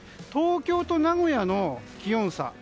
東京と名古屋の気温差。